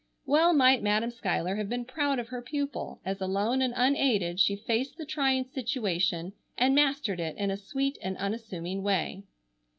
Well might Madam Schuyler have been proud of her pupil as alone and unaided she faced the trying situation and mastered it in a sweet and unassuming way.